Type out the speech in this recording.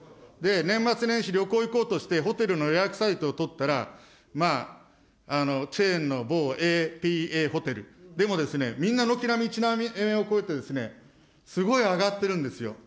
年末年始、旅行行こうとしてホテルの予約サイトを取ったら、まあ、チェーンの某ＡＰＡホテルでもですね、みんな軒並み１万円を超えてすごい上がってるんですよ。